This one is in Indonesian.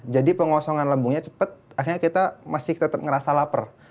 jadi pengosongan lembungnya cepat akhirnya kita masih tetap ngerasa lapar